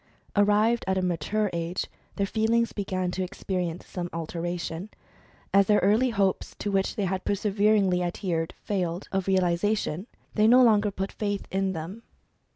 Arrived at a mature age, their feelings began to experience some alteration. As their early hopes, to which they had perseveringly adhered, failed of realisa tion, they no longer put faith in them.